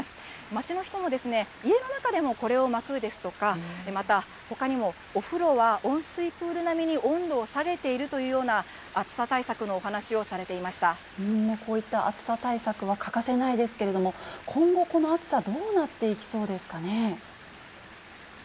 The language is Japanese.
街の人も、家の中でもこれを巻くですとか、また、ほかにもお風呂は温水プール並みに温度を下げているというようなこういった暑さ対策は欠かせないですけれども、今後、この暑さ、どうなっていきそうですかね。